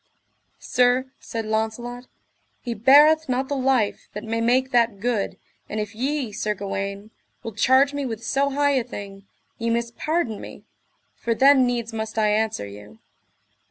Sir, said Launcelot, he beareth not the life that may make that good; and if ye, Sir Gawaine, will charge me with so high a thing, ye must pardon me, for then needs must I answer you.